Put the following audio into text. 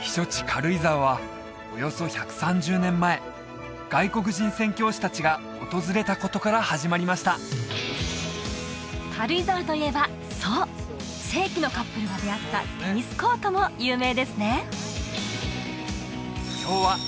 軽井沢はおよそ１３０年前外国人宣教師達が訪れたことから始まりました軽井沢といえばそう世紀のカップルが出会ったテニスコートも有名ですね